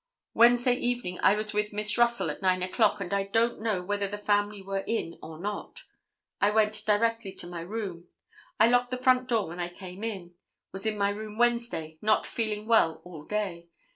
Wednesday evening I was with Miss Russell at 9 o'clock, and I don't know whether the family were in or not. I went direct to my room. I locked the front door when I came in. Was in my room Wednesday, not feeling well all day.